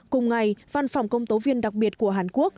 cùng ngày văn phòng công tố viên đặc biệt của hàn quốc